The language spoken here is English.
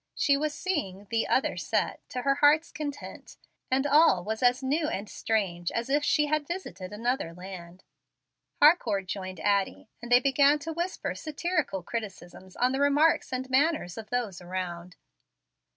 She was seeing "the other set" to her heart's content, and all was as new and strange as if she had visited another land. Harcourt joined Addie, and they began to whisper satirical criticisms on the remarks and manners of those around.